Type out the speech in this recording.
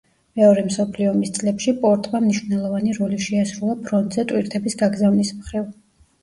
მეორე მსოფლიო ომის წლებში პორტმა მნიშვნელოვანი როლი შეასრულა ფრონტზე ტვირთების გაგზავნის მხრივ.